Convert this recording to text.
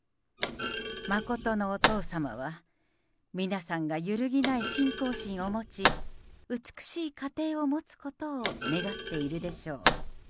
真のお父様は皆さんが揺るぎない信仰心を持ち、美しい家庭を持つことを願っているでしょう。